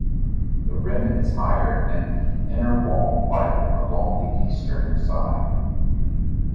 The rim is higher and the inner wall wider along the eastern side.